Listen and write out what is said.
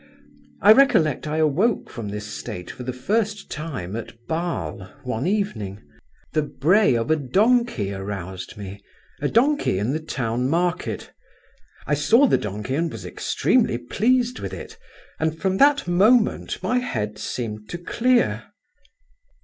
I recollect I awoke from this state for the first time at Basle, one evening; the bray of a donkey aroused me, a donkey in the town market. I saw the donkey and was extremely pleased with it, and from that moment my head seemed to clear."